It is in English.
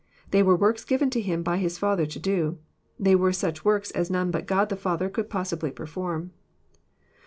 They were works given to Him by His Father to do. They were such works as none bnt God the Father could possibly perform.